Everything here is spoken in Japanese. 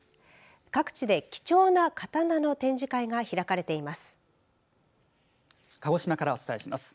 各地で貴重な刀の展示会が開かれています。